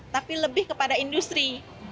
tapi lebih kepada industri